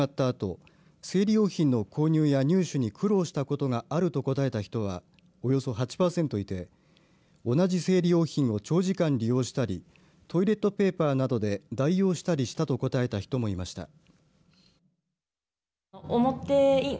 あと生理用品の購入や入手に苦労したことがあると答えた人がおよそ８パーセントいて同じ生理用品を長時間利用したりトイレットペーパーなどで代用したりしたと答えた人もいました。